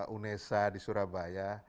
unesa di surabaya